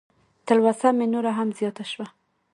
تلوسه مې نوره هم زیاته شوه.